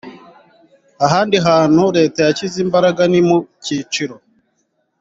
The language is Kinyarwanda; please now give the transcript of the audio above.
ahandi hantu leta yashyize imbaraga ni mu kiciro